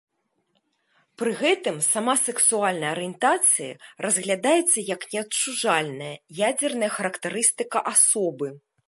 Пры гэтым сама сексуальная арыентацыя разглядаецца як неадчужальная, ядзерная характарыстыка асобы.